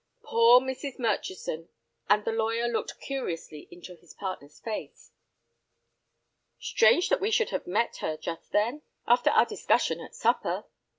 "Poor Mrs. Murchison," and the lawyer looked curiously into his partner's face. "Strange that we should have met her, just then!" "After our discussion at supper!"